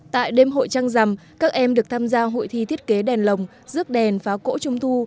tại đêm hội trăng rằm các em được tham gia hội thi thiết kế đèn lồng rước đèn phá cỗ trung thu